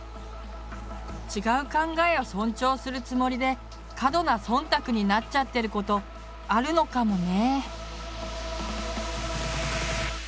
「違う考えを尊重する」つもりで「過度な忖度」になっちゃってることあるのかもね。